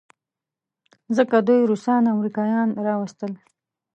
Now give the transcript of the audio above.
ځکه دوی روسان او امریکایان راوستل.